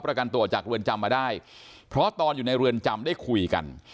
ประกันตัวจากเรือนจำมาได้เพราะตอนอยู่ในเรือนจำได้คุยกัน